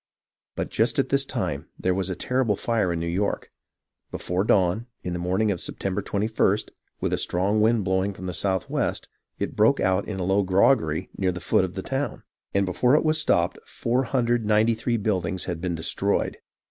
But just at this time there was a terrible fire in New York. Before dawn, in the morning of September 21st, with a strong wind blowing from the southwest, it broke out in a low groggery near the foot of the town, and before it was stopped 493 buildings had been destroyed.